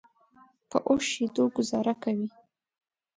په اوښ شیدو ګوزاره کوي.